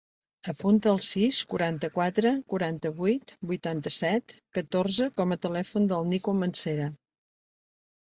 Apunta el sis, quaranta-quatre, quaranta-vuit, vuitanta-set, catorze com a telèfon del Nico Mancera.